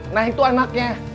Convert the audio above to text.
nah itu anaknya